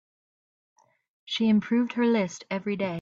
She improved her list every day.